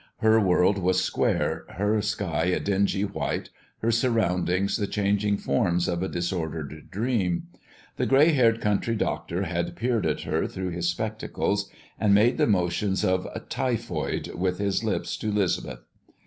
Her world was square, her sky a dingy white, her surroundings the changing forms of a disordered dream. The gray haired country doctor had peered at her through his spectacles and made the motions of "Typhoid" with his lips to 'Lisbeth.